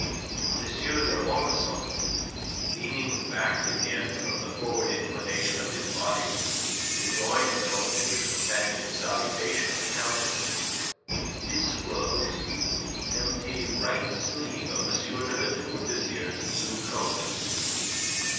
M. d'Ormesson, leaning back again from the forward inclination of his body to join his own to his companion's salutation of the Countess, disclosed the empty right sleeve of M. de La Tour d'Azyr's blue coat.